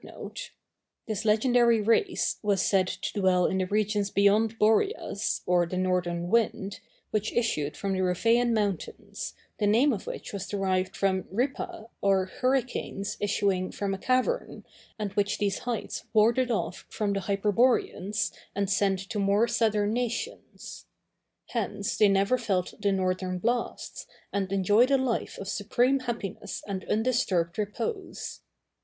This legendary race was said to dwell in the regions beyond Boreas, or the northern wind, which issued from the Riphæn mountains, the name of which was derived from ριπαὶ or "hurricanes" issuing from a cavern, and which these heights warded off from the Hyperboreans and sent to more southern nations. Hence they never felt the northern blasts, and enjoyed a life of supreme happiness and undisturbed repose.